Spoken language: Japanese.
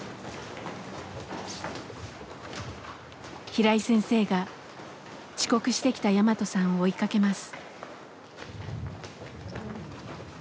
平井先生が遅刻してきたヤマトさんを追いかけます。